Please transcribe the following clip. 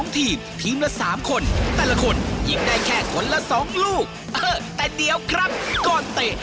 แต่เดี๋ยวครับก่อนเตะ